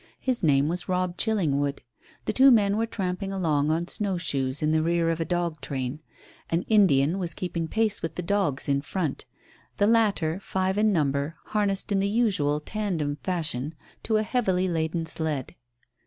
His name was Robb Chillingwood. The two men were tramping along on snow shoes in the rear of a dog train. An Indian was keeping pace with the dogs in front; the latter, five in number, harnessed in the usual tandem fashion to a heavily laden sled.